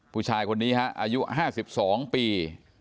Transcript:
ผู้ชายคนนี้ฮะอายุ๕๒ปี